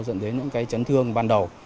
dẫn đến những cái chấn thương ban đầu